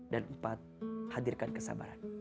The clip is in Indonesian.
dan empat hadirkan kesabaran